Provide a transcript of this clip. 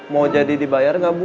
mau jadi dibayar nggak bu